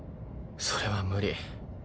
それは無理。